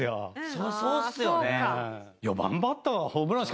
そりゃそうですよね。